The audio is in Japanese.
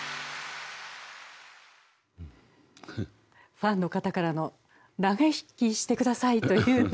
ファンの方からの「長生きして下さい」というね。